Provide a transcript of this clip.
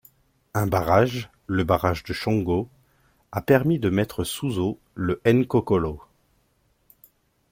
Un barrage, le barrage de Shongo, a permis de mettre sous eau le Nkokolo.